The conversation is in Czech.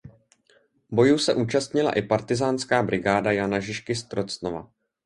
Bojů se účastnila i partyzánská brigáda Jana Žižky z Trocnova.